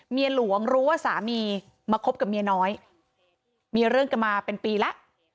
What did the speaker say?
เมียหลวงรู้ว่าสามีมาคบกับเมียน้อยมีเรื่องกันมาเป็นปีแล้ว